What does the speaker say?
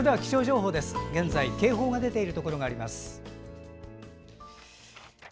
波浪警報が出ているところがあります。